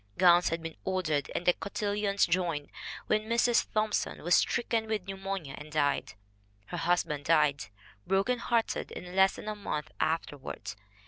Gowns had been ordered and "the cotillions joined" when Mrs. Thomp son was stricken with pneumonia and died. Her hus band died, broken hearted, in less than a month after ward.